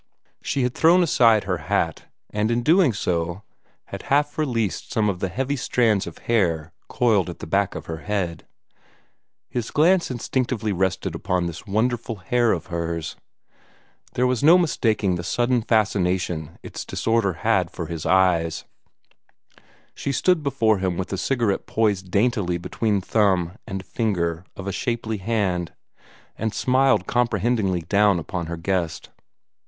She had thrown aside her hat, and in doing so had half released some of the heavy strands of hair coiled at the back of her head. His glance instinctively rested upon this wonderful hair of hers. There was no mistaking the sudden fascination its disorder had for his eye. She stood before him with the cigarette poised daintily between thumb and finger of a shapely hand, and smiled comprehendingly down on her guest.